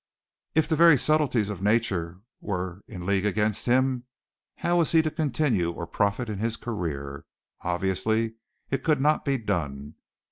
If the very subtleties of nature were in league against him, how was he to continue or profit in this career? Obviously it could not be done.